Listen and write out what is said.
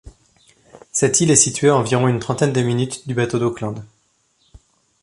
Cette île est située à environ une trentaine de minutes de bateau d'Auckland.